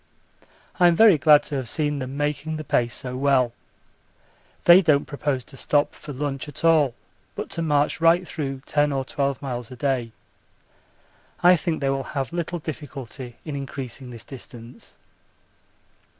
I'm very glad to have seen them making the pace so well. They don't propose to stop for lunch at all but to march right through 10 or 12 miles a day. I think they will have little difficulty in increasing this distance.